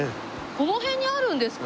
この辺にあるんですか？